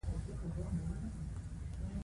آیا او خپل پرمختګ ته دوام نه ورکوي؟